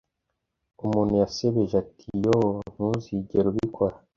umuntu yasebeje ati: "yoo, ntuzigera ubikora;